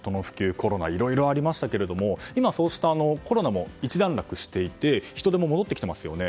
コロナなどありましたが今、コロナも一段落していて人出も戻ってきていますよね。